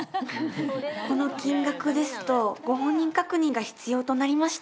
この金額ですとご本人確認が必要となりまして。